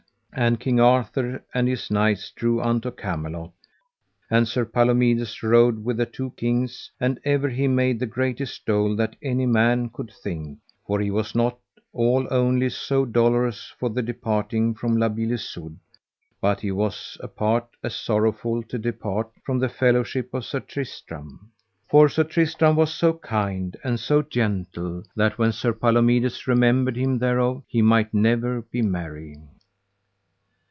And King Arthur and his knights drew unto Camelot, and Sir Palomides rode with the two kings; and ever he made the greatest dole that any man could think, for he was not all only so dolorous for the departing from La Beale Isoud, but he was a part as sorrowful to depart from the fellowship of Sir Tristram; for Sir Tristram was so kind and so gentle that when Sir Palomides remembered him thereof he might never be merry.